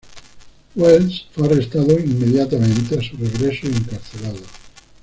Wells fue arrestado inmediatamente a su regreso y encarcelado.